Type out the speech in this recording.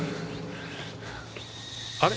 あれ。